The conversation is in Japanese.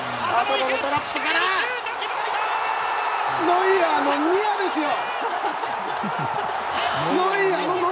ノイアーのニアですよ！